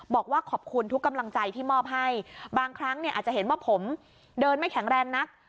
บอกว่าขอบคุณทุกกำลังใจที่มอบให้บางครั้งเนี่ยอาจจะเห็นว่าผมเดินไม่แข็งแรงนัก